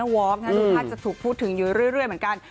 แต่ว่าก็จะถูกพูดถึงเรื่อยเหมือนกัน